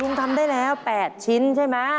ทำได้แล้ว๘ชิ้นใช่ไหม